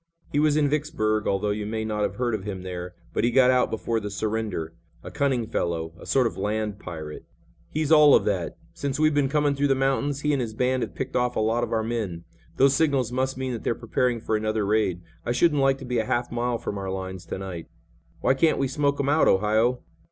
He was in Vicksburg, although you may not have heard of him there, but he got out before the surrender. A cunning fellow. A sort of land pirate." "He's all of that. Since we've been coming through the mountains he and his band have picked off a lot of our men. Those signals must mean that they're preparing for another raid. I shouldn't like to be a half mile from our lines to night." "Why can't we smoke him out, Ohio?"